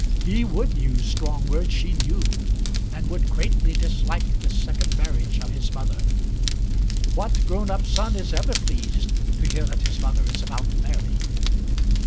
He would use strong words she knew, and would greatly dislike this second marriage of his mother. What grown up son is ever pleased to hear that his mother is about to marry?